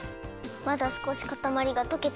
まだすこしかたまりがとけてないよ。